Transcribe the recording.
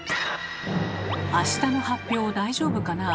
明日の発表大丈夫かな？